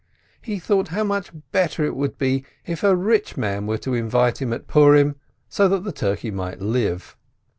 He thought how much better it would be, if a rich man were to invite him at Purim, so that the turkey might live.